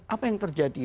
apa yang terjadi